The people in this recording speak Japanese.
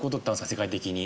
世界的に。